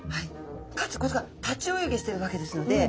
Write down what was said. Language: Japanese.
かつこいつが立ち泳ぎしてるわけですので。